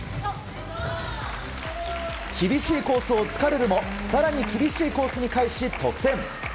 厳しいコースをつかれるも更に厳しいコースに返し、得点。